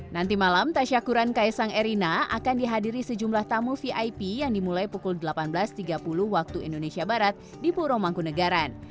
nanti malam tasyakuran kaisang erina akan dihadiri sejumlah tamu vip yang dimulai pukul delapan belas tiga puluh waktu indonesia barat di puro mangkunagaran